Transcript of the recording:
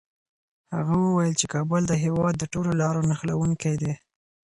هغه وویل چي کابل د هېواد د ټولو لارو نښلوونکی دی.